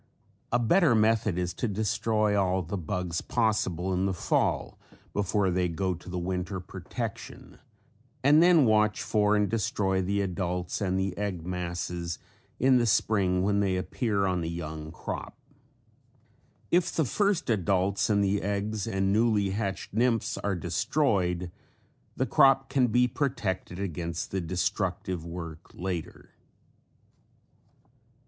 A better method is to destroy all the bugs possible in the fall before they go to the winter protection and then watch for and destroy the adults and the eggs masses in the spring when they appear on the young crop. If the first adults and the eggs and newly hatched nymphs are destroyed the crop can be protected against the destructive work later.